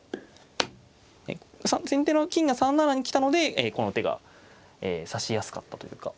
先手の金が３七に来たのでこの手が指しやすかったというか。